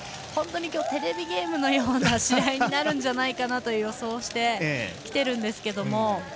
本当に今日はテレビゲームのような試合になるんじゃないかなと予想をしてきているんですけど。